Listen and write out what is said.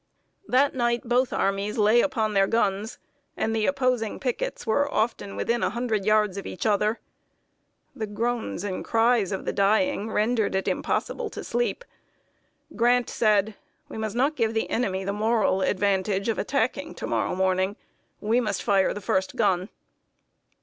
That night both armies lay upon their guns, and the opposing pickets were often within a hundred yards of each other. The groans and cries of the dying rendered it impossible to sleep. Grant said: "We must not give the enemy the moral advantage of attacking to morrow morning. We must fire the first gun."